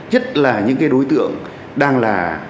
nhất là những đối tượng đang là